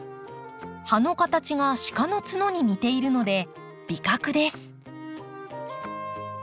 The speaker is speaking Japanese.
葉の形が鹿の角に似ているので「麋角」です。